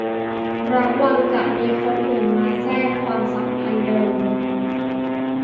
ระวังจะมีคนอื่นมาแทรกความสัมพันธ์เดิม